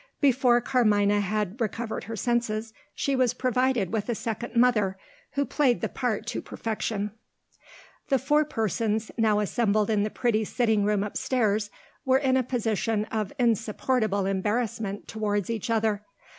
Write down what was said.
Before Carmina had recovered her senses she was provided with a second mother, who played the part to perfection. The four persons, now assembled in the pretty sitting room upstairs, were in a position of insupportable embarrassment towards each other.